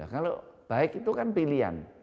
kalau baik itu kan pilihan